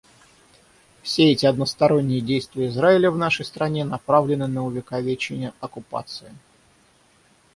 Все эти односторонние действия Израиля в нашей стране направлены на увековечение оккупации.